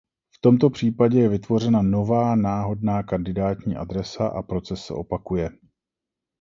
V tomto případě je vytvořena nová náhodná kandidátní adresa a proces se opakuje.